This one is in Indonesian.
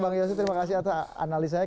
bang yose terima kasih atas analisanya